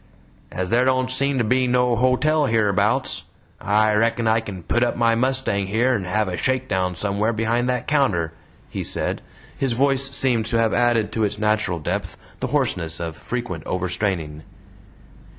"As there don't seem to be no hotel hereabouts, I reckon I kin put up my mustang here and have a shakedown somewhere behind that counter," he said. His voice seemed to have added to its natural depth the hoarseness of frequent overstraining.